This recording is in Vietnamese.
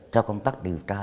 cho công tác điều tra